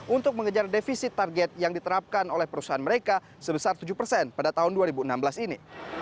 untuk mengejar defisit target yang diterapkan oleh perusahaan mereka sebesar tujuh persen pada tahun dua ribu enam belas ini